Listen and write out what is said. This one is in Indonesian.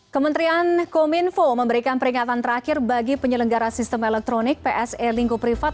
kementerian kominfo memberikan peringatan terakhir bagi penyelenggara sistem elektronik pse lingkup privat